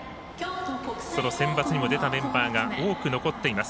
そのセンバツにも出たメンバーが多く残っています